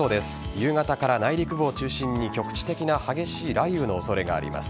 夕方から内陸部を中心に局地的な激しい雷雨の恐れがあります。